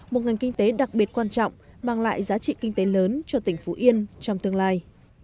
việc quan trọng bằng lại giá trị kinh tế lớn cho tỉnh phú yên trong tương lai